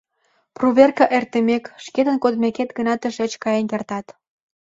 Проверка эртымек, шкетын кодмекет гына тышеч каен кертат.